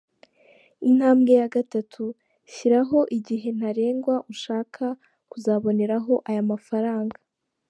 Intambwe ya gatatu: Shyiraho igihe ntarengwa ushaka kuzaboneraho aya mafaranga.